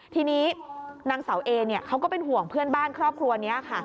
ทีนี้นางเสาเอเขาก็เป็นห่วงเพื่อนบ้านครอบครัวนี้ค่ะ